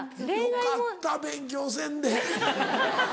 よかった勉強せんであぁ。